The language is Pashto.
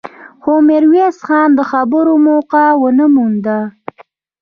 خو ميرويس خان د خبرو موقع ونه مونده.